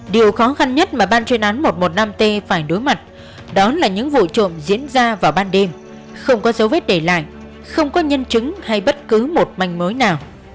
điều khó khăn nhất mà ban chuyên án một trăm một mươi năm t phải đối mặt đó là những vụ trộm diễn ra vào ban đêm không có dấu vết để lại không có nhân chứng hay bất cứ một manh mối nào